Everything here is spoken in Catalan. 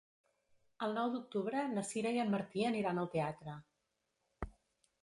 El nou d'octubre na Sira i en Martí aniran al teatre.